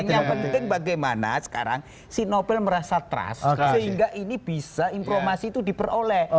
yang penting bagaimana sekarang si novel merasa trust sehingga ini bisa informasi itu diperoleh